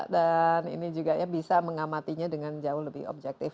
dan ini juga bisa mengamatinya dengan jauh lebih objektif